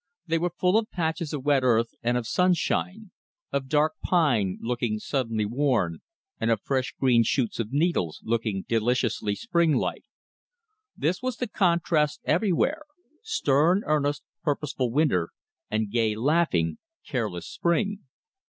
They were full of patches of wet earth and of sunshine; of dark pine, looking suddenly worn, and of fresh green shoots of needles, looking deliciously springlike. This was the contrast everywhere stern, earnest, purposeful winter, and gay, laughing, careless spring.